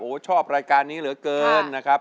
ชอบรายการนี้เหลือเกินนะครับ